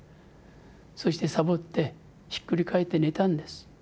そしてサボってひっくり返って寝たんです。